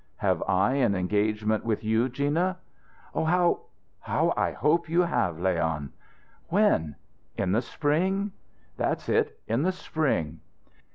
"Have I an engagement with you, Gina?" "Oh, how how I hope you have, Leon!" "When?" "In the spring?" "That's it in the spring."